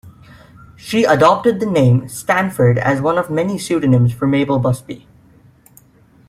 She adopted the name Stanford as one of many pseudonyms for Mabel Busby.